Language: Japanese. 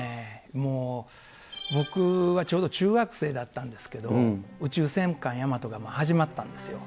もう、僕はちょうど中学生だったんですけど、宇宙戦艦ヤマトが始まったんですよ。